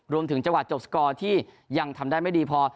รวมถึงจังหวัดจบสกอร์ที่ยังทำได้ไม่ดีพอ